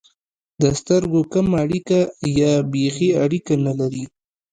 د سترګو کمه اړیکه یا بېخي اړیکه نه لري.